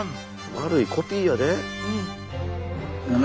悪いコピーやで！